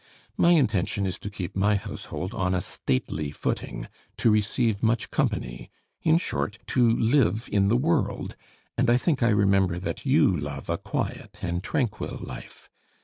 My intention is to keep my household on a stately footing, to receive much company, in short, to live in the world; and I think I remember that you love a quiet and tranquil life.